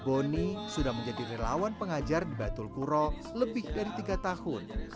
boni sudah menjadi relawan pengajar di batul kuro lebih dari tiga tahun